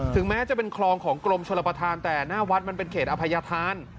แม้จะเป็นคลองของกรมชลประธานแต่หน้าวัดมันเป็นเขตอภัยธาน